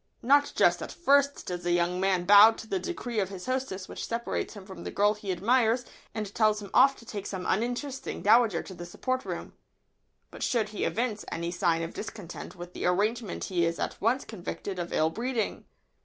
Not just at first does a young man bow to the decree of his hostess which separates him from the girl he admires and tells him off to take some uninteresting dowager to the supper room. But should he evince any sign of discontent with the arrangement he is at once convicted of ill breeding.